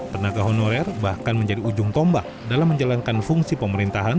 tenaga honorer bahkan menjadi ujung tombak dalam menjalankan fungsi pemerintahan